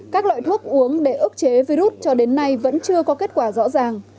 các loại thuốc uống để ức chế virus cho đến nay vẫn chưa có kết quả rõ ràng